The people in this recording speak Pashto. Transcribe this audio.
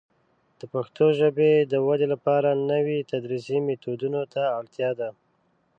د پښتو ژبې د ودې لپاره نوي تدریسي میتودونه ته اړتیا ده.